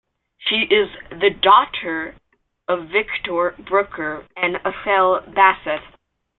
She is the daughter of Victor Brooker and Ethel Bassett.